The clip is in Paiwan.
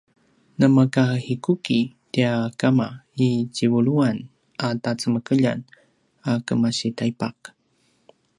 namakahikuki tia kama i tjivuluan a tacemekeljan a kemasi taipaq